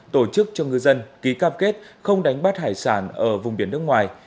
tổ chức cho ngư dân ký cam kết không đánh bắt hải sản ở vùng biển nước ngoài